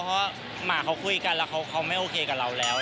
เพราะว่าหมาเขาคุยกันแล้วเขาไม่โอเคกับเราแล้ว